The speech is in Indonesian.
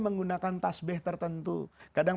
menggunakan tasbih tertentu kadang